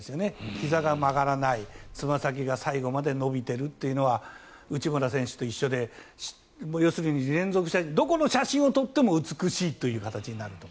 ひざが曲がらないつま先が最後まで伸びているというのは内村選手と一緒で連続してどこの写真を撮っても美しいという形になると。